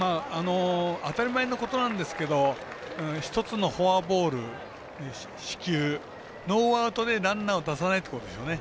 当たり前のことなんですけど１つのフォアボール、四球ノーアウトでランナーを出さないっていうことでしょうね。